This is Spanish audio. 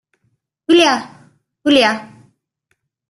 Julia, Julia.